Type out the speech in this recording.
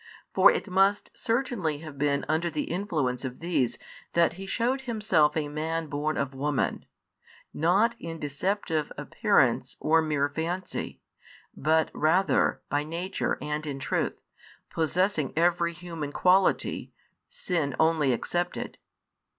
For it must certainly have been under the influence of these that He shewed Himself a Man born of woman, not in deceptive appearance or mere fancy, but rather by nature and in truth, possessing every human quality, sin only excepted.